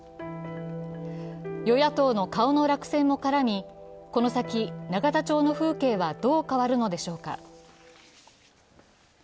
与野党の顔の落選も絡み、この先永田町の風景は、どう変わるのでしょうか。